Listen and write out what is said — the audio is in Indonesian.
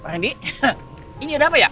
prendi ha ini ada apa ya